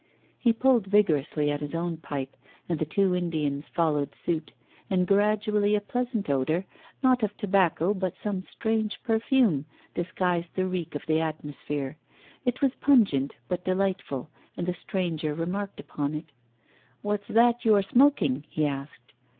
He pulled vigorously at his own pipe, and the two Indians followed suit. And gradually a pleasant odour, not of tobacco but some strange perfume, disguised the reek of the atmosphere. It was pungent but delightful, and the stranger remarked upon it. "What's that you are smoking?" he asked.